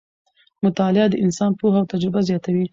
مطالعه د انسان پوهه او تجربه زیاتوي